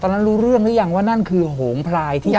ตอนนั้นรู้เรื่องรึยังว่านั่นคือโหงพลายที่ปู่